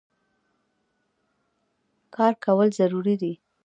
کار کول ضروري دی.